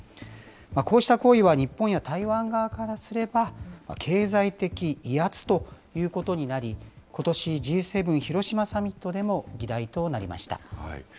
こうした行為は日本や台湾側からすれば、経済的威圧ということになり、ことしＧ７広島サミットでも議題となりました。